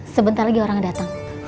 sebentar lagi orang datang